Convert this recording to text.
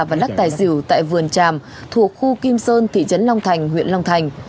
và đắc tài dìu tại vườn tràm thuộc khu kim sơn thị trấn long thành huyện long thành